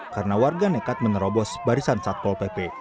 karena warga nekat menerobos barisan satpol pp